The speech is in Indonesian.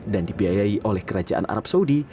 dan dibiayai oleh kerajaan arab saudi